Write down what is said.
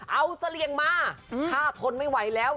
เอาเสลี่ยงมาถ้าทนไม่ไหวแล้ว